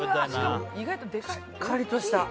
しっかりとした。